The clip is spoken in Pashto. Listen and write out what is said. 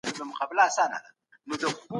هر څوک د خپل ځان ادراک لري.